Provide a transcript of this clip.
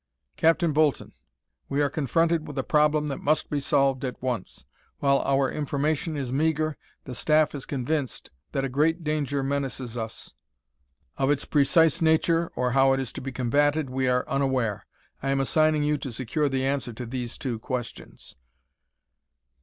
"Captain Bolton, we are confronted with a problem that must be solved at once. While our information is meagre, the Staff is convinced that a great danger menaces us. Of its precise nature, or how it is to be combatted, we are unaware. I am assigning you to secure the answer to these two questions.